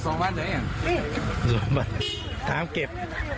สองบาทถามเก็บ